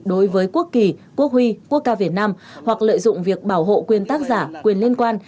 đối với quốc kỳ quốc huy quốc ca việt nam hoặc lợi dụng việc bảo hộ quyền tác giả quyền liên quan